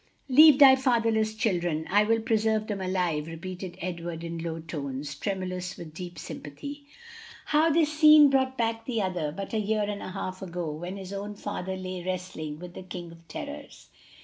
"'Leave thy fatherless children, I will preserve them alive,'" repeated Edward in low tones, tremulous with deep sympathy. How this scene brought back that other, but a year and a half ago, when his own father lay wrestling with the king of terrors!